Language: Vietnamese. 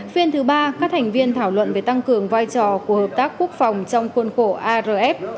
phiên thứ ba các thành viên thảo luận về tăng cường vai trò của hợp tác quốc phòng trong khuôn khổ arf